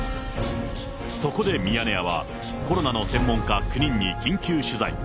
そこでミヤネ屋は、コロナの専門家９人に緊急取材。